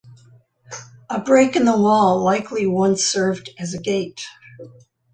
A break in the wall likely once served as a gate.